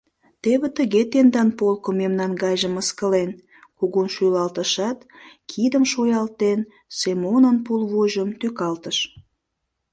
— Теве тыге тендан полко мемнан гайжым мыскылен, — кугун шӱлалтышат, кидым шуялтен, Семонын пулвуйжым тӱкалтыш.